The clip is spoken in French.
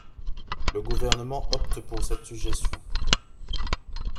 Le gouvernement opte pour cette suggestion.